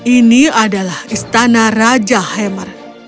ini adalah istana raja hammer